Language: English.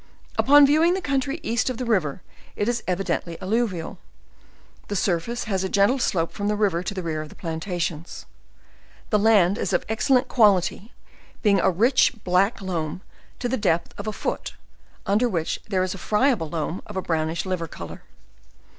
Upon viewing the country east of the river, it is evidently alluvial; the surface has a gentle slope from the river to the rear of the plantations. The land is of excellent quality, being a rich black mould to the depth of a foot, under which there is a friable loam of a brownish liver color.